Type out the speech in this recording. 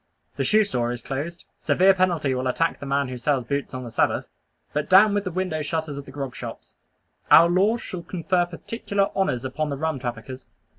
The shoe store is closed; severe penalty will attack the man who sells boots on the Sabbath. But down with the window shutters of the grog shops. Our laws shall confer particular honors upon the rum traffickers.